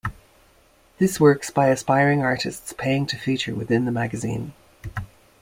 This works by aspiring artists paying to feature within the magazine.